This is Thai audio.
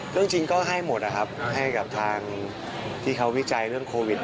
จริงก็ให้หมดนะครับให้กับทางที่เขาวิจัยเรื่องโควิด